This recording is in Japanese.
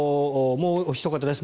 もうおひと方です。